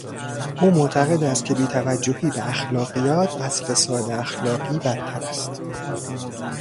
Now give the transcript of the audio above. او معتقد است که بیتوجهی به اخلاقیات از فساد اخلاقی بدتر است.